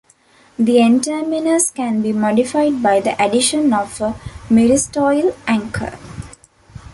The N-terminus can be modified by the addition of a myristoyl anchor.